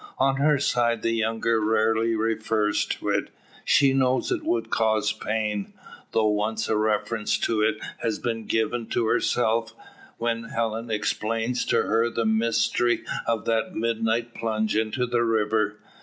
On her side the younger rarely refers to it. She knows it would cause pain. Though once a reference to it has given pleasure to herself; when Helen explained to her the mystery of that midnight plunge into the river.